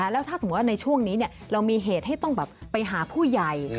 แล้วถ้าสมมุติว่าในช่วงนี้เรามีเหตุให้ต้องไปหาผู้ใหญ่